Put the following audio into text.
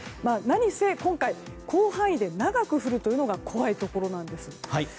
何せ、今回広範囲で長く降るというのが怖いところなんです。